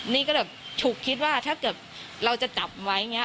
นี่ก็แบบฉุกคิดว่าถ้าเกิดเราจะจับไว้อย่างนี้